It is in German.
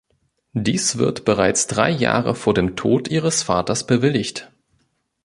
Dies wird bereits drei Jahre vor dem Tod ihres Vaters bewilligt.